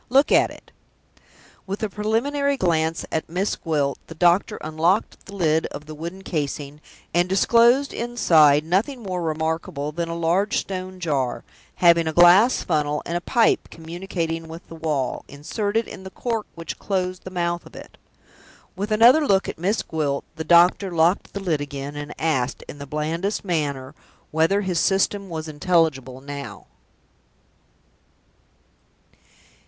Look at it!" With a preliminary glance at Miss Gwilt, the doctor unlocked the lid of the wooden casing, and disclosed inside nothing more remarkable than a large stone jar, having a glass funnel, and a pipe communicating with the wall, inserted in the cork which closed the mouth of it. With another look at Miss Gwilt, the doctor locked the lid again, and asked, in the blandest manner, whether his System was intelligible now?